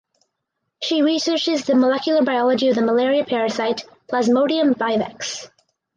She researches the molecular biology of the malaria parasite "Plasmodium vivax".